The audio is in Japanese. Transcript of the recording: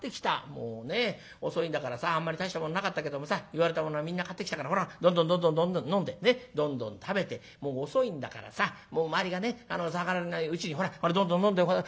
もうね遅いんだからさあんまり大したもんなかったけどもさ言われたものはみんな買ってきたからほらどんどんどんどん飲んでどんどん食べてもう遅いんだからさもう周りがね騒がれないうちにほらどんどん飲んであら？